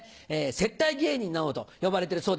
接待芸人などと呼ばれてるそうです。